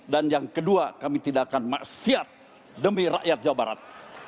dan yang kedua kami tidak akan maksiat demi rakyat jawa barat